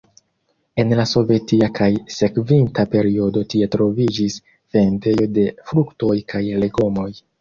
En la sovetia kaj sekvinta periodo tie troviĝis vendejo de fruktoj kaj legomoj.